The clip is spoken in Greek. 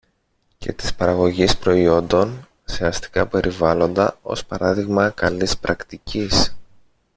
και της παραγωγής προϊόντων σε αστικά περιβάλλοντα, ως παράδειγμα καλής πρακτικής